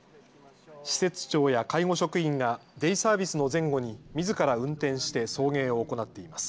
施設長や介護職員がデイサービスの前後にみずから運転して送迎を行っています。